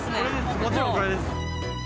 もちろん、これです。